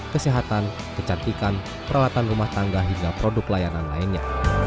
kesehatan kecantikan peralatan rumah tangga hingga produk layanan lainnya